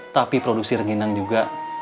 tapi produksi ranginan juga